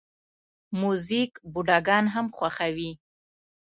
موزیک بوډاګان هم خوښوي.